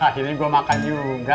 akhirnya gue makan juga